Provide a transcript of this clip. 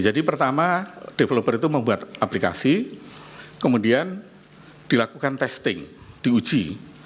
jadi pertama developer itu membuat aplikasi kemudian dilakukan testing diuji